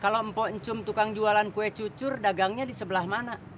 kalau mpok encum tukang jualan kue cucur dagangnya di sebelah mana